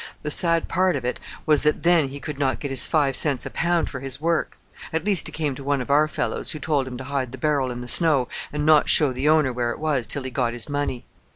The sad part of it was that then he could not get his five cents, a pound for his work! at least he came to one of our fellows, who told him to hide the barrel in the snow and not show the owner where it was, till he got his money.